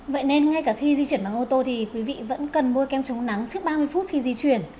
vậy nên ngay cả khi di chuyển bằng ô tô thì quý vị vẫn cần mua kem chống nắng trước ba mươi phút khi di chuyển